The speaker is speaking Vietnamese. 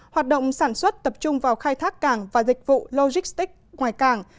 hoạt động sản xuất tập trung vào khai thác cảng và dịch vụ logistics ngoài cảng